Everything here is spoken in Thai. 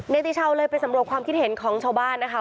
ติชาวเลยไปสำรวจความคิดเห็นของชาวบ้านนะคะ